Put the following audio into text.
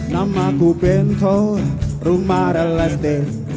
nama ku bento rumah relestir